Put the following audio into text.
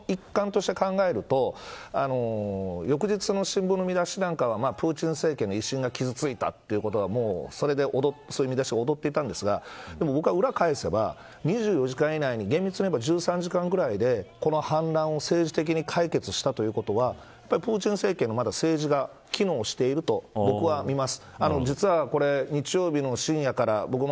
その一環として考えると翌日の新聞の見出しなんかはプーチン政権の威信が傷ついただとかそういう見だしが躍っていたんですがでも僕は裏を返せば２４時間以内に厳密には１３時間ぐらいでこの反乱を政治的に解決したということはプーチン政権はまだ政治が機能していると僕は見ます。